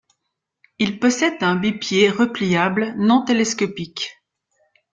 Il possède un bipied repliable non télescopique.